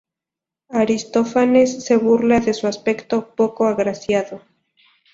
Aristófanes se burla de su aspecto poco agraciado.